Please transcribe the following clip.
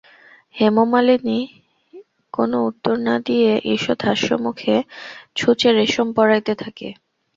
হেমনলিনী কোনো উত্তর না দিয়া ঈষৎ হাস্যমুখে ছুঁচে রেশম পরাইতে থাকে।